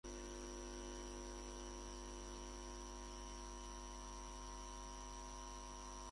Históricamente conocido como río Jesús María, por las autoridades españolas.